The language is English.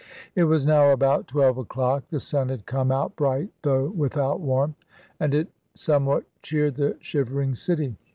It was now about twelve o'clock, the sun had come out bright though without warmth, and it somewhat cheered the shivering city.